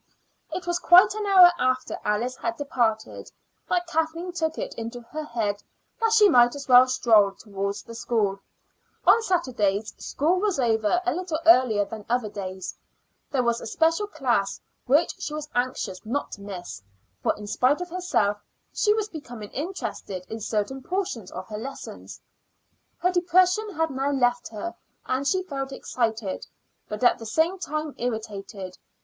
It was quite an hour after Alice had departed that Kathleen took it into her head that she might as well stroll towards the school. On Saturdays school was over a little earlier than other days. There was a special class which she was anxious not to miss, for in spite of herself she was becoming interested in certain portions of her lessons. Her depression had now left her, and she felt excited, but at the same time irritated.